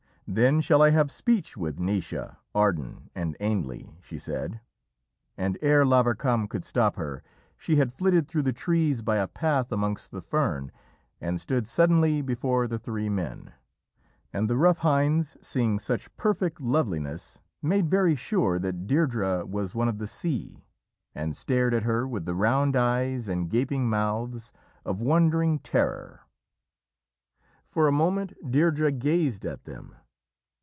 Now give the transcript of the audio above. "Then shall I have speech with Naoise, Ardan, and Ainle," she said, and ere Lavarcam could stop her, she had flitted through the trees by a path amongst the fern, and stood suddenly before the three men. And the rough hinds, seeing such perfect loveliness, made very sure that Deirdrê was one of the sidhe and stared at her with the round eyes and gaping mouths of wondering terror. For a moment Deirdrê gazed at them.